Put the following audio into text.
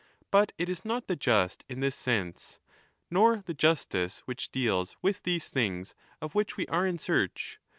But it is not the just in this sense, nor the justice which deals with these things, of which we are in search.